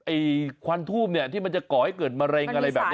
ควันทูบเนี่ยที่มันจะก่อให้เกิดมะเร็งอะไรแบบนี้